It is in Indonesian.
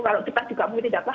kalau kita juga mungkin tidak apa